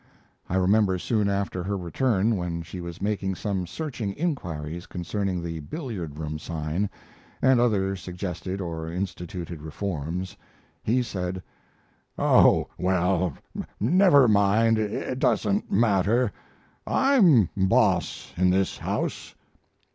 I remember soon after her return, when she was making some searching inquiries concerning the billiard room sign, and other suggested or instituted reforms, he said: "Oh well, never mind, it doesn't matter. I'm boss in this house."